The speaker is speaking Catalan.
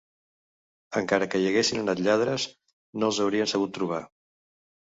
Encara que hi haguessin anat lladres no els haurien sabut trobar.